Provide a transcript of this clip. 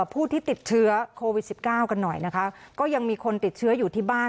ผู้ที่ติดเชื้อโควิด๑๙กันหน่อยนะคะก็ยังมีคนติดเชื้ออยู่ที่บ้าน